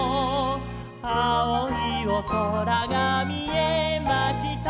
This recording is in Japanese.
「あおいおそらがみえました」